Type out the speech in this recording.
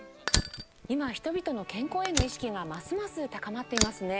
今人々の健康への意識がますます高まっていますね。